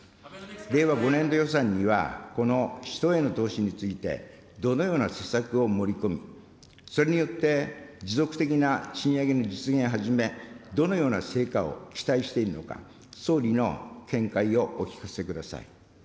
令和５年度予算には、この人への投資について、どのような施策を盛り込み、それによって持続的な賃上げの実現はじめ、どのような成果を期待しているのか、総理の見解をお聞かせください。